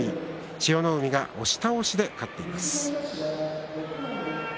千代の海、押し倒しで勝っています。